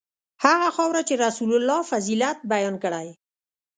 هغه خاوره چې رسول الله فضیلت بیان کړی.